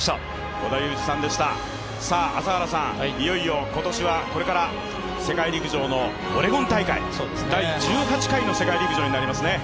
いよいよ、今年はこれから世界陸上のオレゴン大会第１８回の世界陸上になりますね。